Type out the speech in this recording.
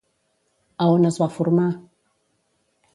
A on es va formar?